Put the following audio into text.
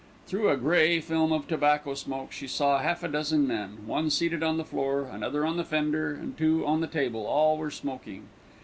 Through a grey film of tobacco smoke she saw half a dozen men, one seated on the floor, another on the fender, and two on the table. All were smoking.